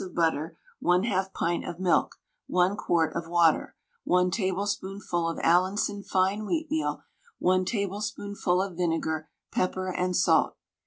of butter, 1/2 pint of milk, 1 quart of water, 1 tablespoonful of Allinson fine wheatmeal, 1 tablespoonful of vinegar, pepper and salt.